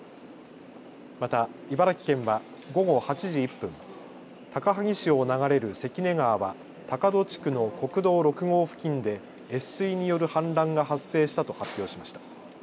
また茨城県は午後８時１分、高萩市を流れる関根川は高戸地区の国道６号付近で越水による氾濫が発生したと発表しました。